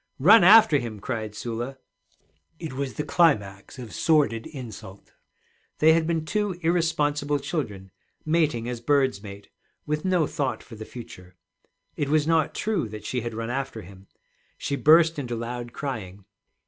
'Run after him!' cried Sula. It was the climax of sordid insult. They had been two irresponsible children mating as birds mate, with no thought for the future. It was not true that she had run after him. She burst into loud crying.